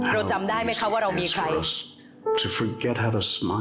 เราจำได้ไหมคะว่าเรามีใคร